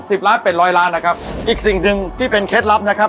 สิบล้านเป็ดร้อยล้านนะครับอีกสิ่งหนึ่งที่เป็นเคล็ดลับนะครับ